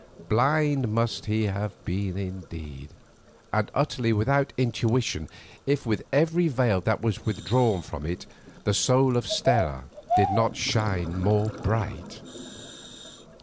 Blind must he have been indeed, and utterly without intuition if with every veil that was withdrawn from it the soul of Stella did not shine more bright.